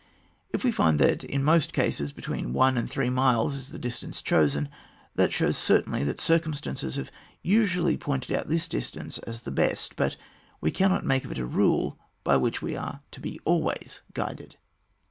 If we find that in most cases between one and three miles is the distance chosen, that shows certainly that circumstances have usually pointed out this distance as the best; but we cannot make of it a rule by which we are to be always guided.